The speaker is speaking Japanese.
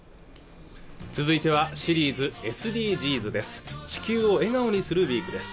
続いてはシリーズ「ＳＤＧｓ」です